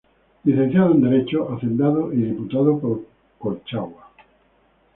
Licenciado en derecho, hacendado y diputado por Colchagua.